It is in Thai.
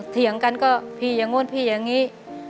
เถียงกันก็พี่อย่างนู้นพี่อย่างนี้